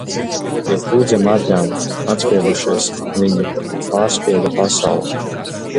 Pie kuģa margām atspiedušies, viņi pārsprieda pasauli.